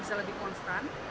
bisa lebih konstan